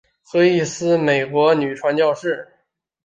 何义思美国女传教士。